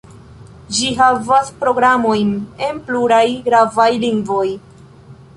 Ĝi havas programojn en pluraj gravaj lingvoj.